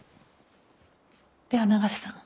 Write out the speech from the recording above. では永瀬さん